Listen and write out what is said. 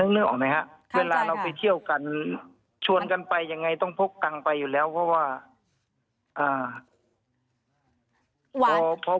นึกออกไหมครับเวลาเราไปเที่ยวกันชวนกันไปยังไงต้องพกตังค์ไปอยู่แล้วเพราะว่า